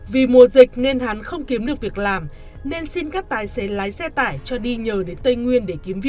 vì mùa dịch nên hắn không kiếm được việc làm nên xin các tài xế lái xe tải cho đi nhờ đến tây nguyên